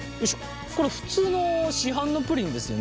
これ普通の市販のプリンですよね普通にね。